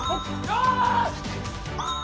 よし！